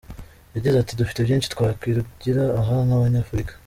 Yagize ati "Dufite byinshi twakwigira aha nk’Abanyafurika.